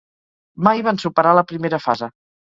Mai van superar la primera fase.